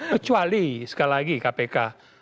kecuali sekali lagi kpk